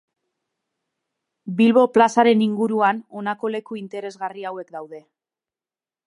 Bilbo plazaren inguruan honako leku interesgarri hauek daude.